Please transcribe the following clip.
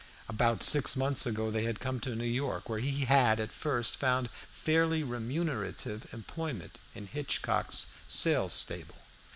About six months ago they had come to New York, where he had at first found fairly remunerative employment in Hitchcock's sale stable.